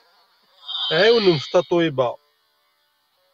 Ɛiwnemt Tatoeba!